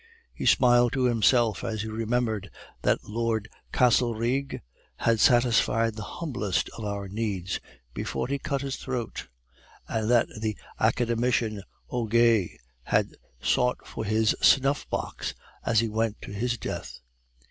He smiled to himself as he remembered that Lord Castlereagh had satisfied the humblest of our needs before he cut his throat, and that the academician Auger had sought for his snuff box as he went to his death.